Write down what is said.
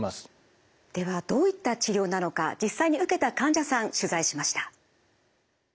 ではどういった治療なのか実際に受けた患者さん取材しました。